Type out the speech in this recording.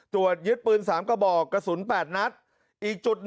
ตรวจยึดปืน๓กระบอกกระสุน๘นัดอีกจุดหนึ่ง